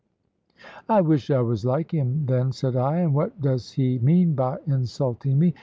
"I wish I was like him, then," said I; "and what does he mean by insulting me?